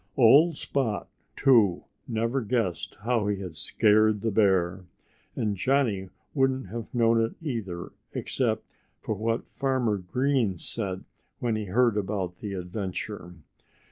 Old Spot, too, never guessed how he had scared the bear. And Johnnie wouldn't have known it, either, except for what Farmer Green said when he heard about the adventure.